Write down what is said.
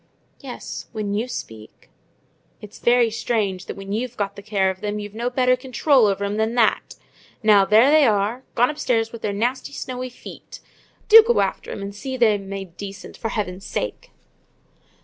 "Yes, when you speak." "And it's very strange, that when you've the care of 'em you've no better control over 'em than that!—Now, there they are—gone upstairs with their nasty snowy feet! Do go after 'em and see them made decent, for heaven's sake!"